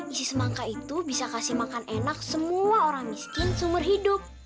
isi semangka itu bisa kasih makan enak semua orang miskin seumur hidup